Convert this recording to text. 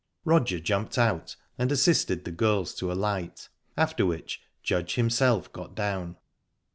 Roger jumped out and assisted the girls to alight, after which Judge himself got down.